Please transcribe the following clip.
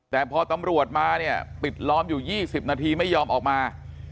แต่พอตำรวจมาเนี่ยปิดล้อมอยู่๒๐นาทีไม่ยอมออกมา